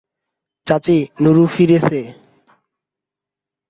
চাচী, নারু ফিরেছে।